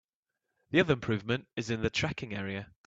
The other improvement is in the tracking area.